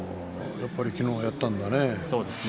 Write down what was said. やっぱり昨日やったんだね。